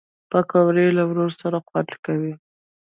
پکورې له ورور سره خوند کوي